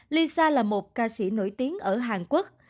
lisa là một ca sĩ nổi tiếng ở hàn quốc